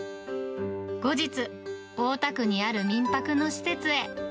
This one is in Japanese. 後日、大田区にある民泊の施設へ。